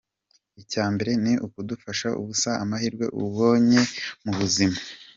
Icya mbere ni ukudapfusha ubusa amahirwe ubonye mu buzima.